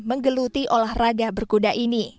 menggeluti olahraga berkuda ini